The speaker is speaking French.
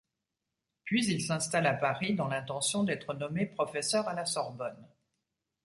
Puis, il s'installe à Paris dans l'intention d'être nommé professeur à la Sorbonne.